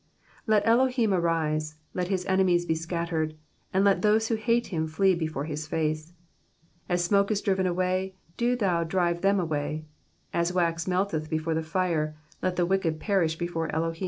2 LET Elohim arise, let His enemies be scattered, And let those who hate Him flee before His face. 3 As smoke is driven away, do Thou drive them away ; As wax melteth before the fire, Let the wicked perish before Elohim.